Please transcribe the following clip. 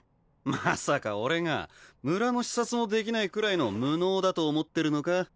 まさか俺が村の視察もできないくらいの無能だと思ってるのか？